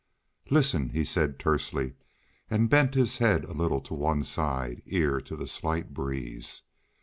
"Listen!" he said, tersely, and bent his head a little to one side, ear to the slight breeze.